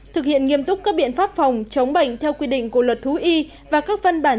thực hiện nghiêm túc các biện pháp phòng chống bệnh theo quy định của luật thú y và các văn bản